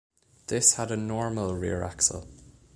This had a normal rear axle.